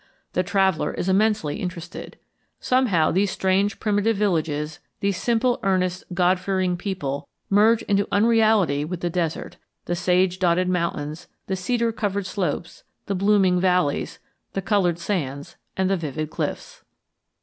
The traveller is immensely interested. Somehow these strange primitive villages, these simple, earnest, God fearing people, merge into unreality with the desert, the sage dotted mountains, the cedar covered slopes, the blooming valleys, the colored sands, and the vivid cliffs.